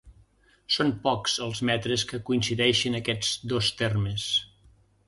Són pocs els metres que coincideixen aquests dos termes.